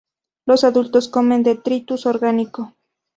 Los adultos comen detritus orgánico.